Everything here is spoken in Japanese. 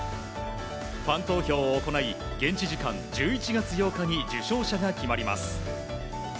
ファン投票を行い現地時間１１月８日に受賞者が決まります。